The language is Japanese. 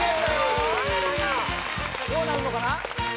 どうなるのかな？